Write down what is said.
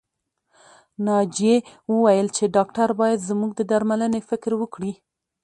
ناجيې وويل چې ډاکټر بايد زموږ د درملنې فکر وکړي